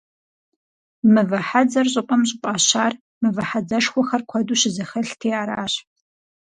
«Мывэ хьэдзэр» щӀыпӀэм щӀыфӀащар мывэ хьэдзэшхуэхэр куэду щызэхэлъти аращ.